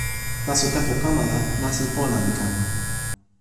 taso tenpo kama la, nasin pona li kama.